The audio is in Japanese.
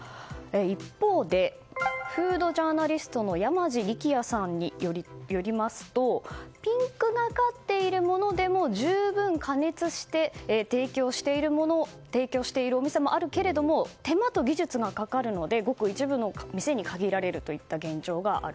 一方で、フードジャーナリストの山路力也さんによりますとピンクがかっているものでも十分、加熱して提供しているお店もあるけれども手間と技術がかかるのでごく一部の店に限られるといった現状がある。